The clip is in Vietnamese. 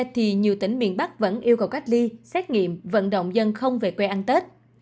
thì nhiều tỉnh miền bắc vẫn yêu cầu cách ly xét nghiệm vận động dân không về quê ăn tết